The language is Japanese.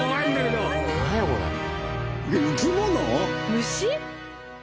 虫？